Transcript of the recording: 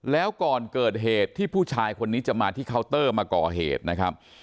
แล้วก่อนเกิดเหตุที่ผู้ชายคนนี้จะมาที่เคาน์เตอร์มาก่อเหตุนะครับ